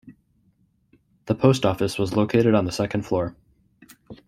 The post office was located on the second floor.